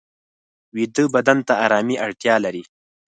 ویده بدن ته آرامي اړتیا لري